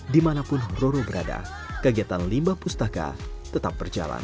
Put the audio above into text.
dimanapun roro berada kegiatan limbah pustaka tetap berjalan